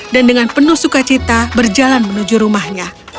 dan dengan penuh sukacita berjalan menuju rumahnya